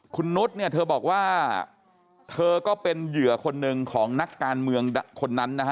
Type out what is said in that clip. คุณนุษย์เนี่ยเธอบอกว่าเธอก็เป็นเหยื่อคนหนึ่งของนักการเมืองคนนั้นนะฮะ